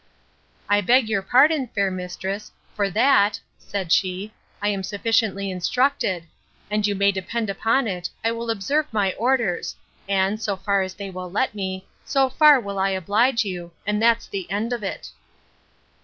I beg your pardon, fair mistress, for that, said she, I am sufficiently instructed; and you may depend upon it, I will observe my orders; and, so far as they will let me, so far will I oblige you; and there's an end of it.